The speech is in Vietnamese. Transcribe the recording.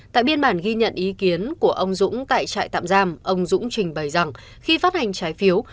tại biên bản ghi nhận ý kiến của ông dũng tại trại tạm giam ông dũng trình bày rằng khi phát hành trái phiếu